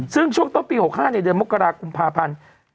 ซึ่งช่วงต้นปี๖๕ในเดือนมกรากุมภาพันธ์